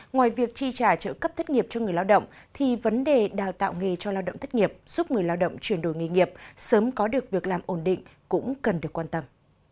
ngoài việc tri trả trợ cấp thất nghiệp cho người lao động thì vấn đề đào tạo nghề cho lao động thất nghiệp giúp người lao động chuyển đổi nghề nghiệp sớm có được việc làm ổn định cũng cần được quan tâm